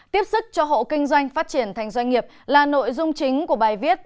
tiếp sức cho hộ kinh doanh phát triển thành doanh nghiệp là nội dung chính của bài viết